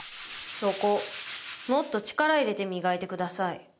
そこもっと力入れて磨いてください。